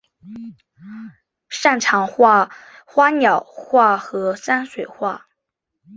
擅长画花鸟画和山水画。